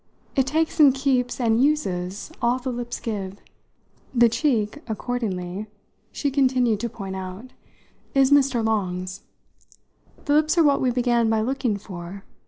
It takes and keeps and uses all the lips give. The cheek, accordingly," she continued to point out, "is Mr. Long's. The lips are what we began by looking for.